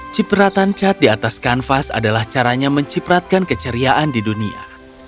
cipratan cat di atas kanvas adalah caranya mencipratkan keceriaan di dunia